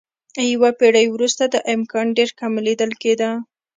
یوه پېړۍ وروسته دا امکان ډېر کم لیدل کېده.